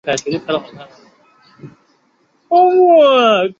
目前广受串列汇流排所采用。